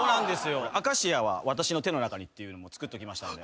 明石家は私の手の中にっていうのも作ってきましたんで。